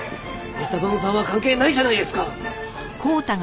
三田園さんは関係ないじゃないですか！